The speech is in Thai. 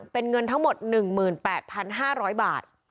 เป็นเงินทั้งหมด๑๘๕๐๐บาท